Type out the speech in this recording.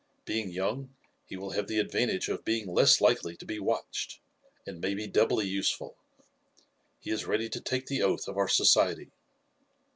Being young he will have the advantage of being less likely to be watched, and may be doubly useful. He is ready to take the oath of our society."